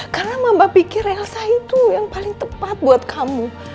karena mama pikir elsa itu yang paling tepat buat kamu